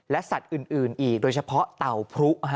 และสัตว์อื่นอีกโดยเฉพาะเต่าพลุ